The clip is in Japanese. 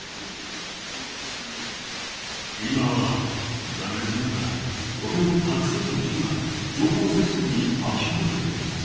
今は残念ながらとてもたくさんの人が情報戦争に巻き込まれています。